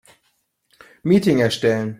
Meeting erstellen.